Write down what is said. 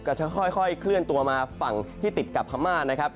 จะค่อยเคลื่อนตัวมาฝั่งที่ติดกับพม่านะครับ